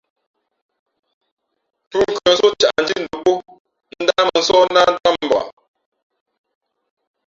Pʉ̂nkhʉ̄ᾱ nsō ncǎʼ ndhí ndǒm pó náh mᾱ nsóh nát ntám mbak.